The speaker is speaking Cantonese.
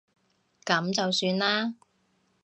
噉就算啦